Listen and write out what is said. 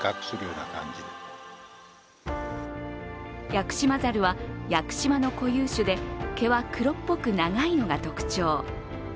ヤクシマザルは屋久島の固有種で、毛は黒っぽく長いのが特徴。